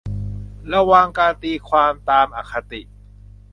ระวังการตีความตามอคติ